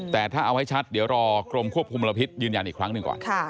แต่ถ้าเอาให้ชัดเดี๋ยวรอกรมควบคุมมลพิษยืนยันอีกครั้งหนึ่งก่อน